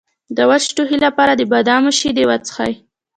د وچ ټوخي لپاره د بادام شیدې وڅښئ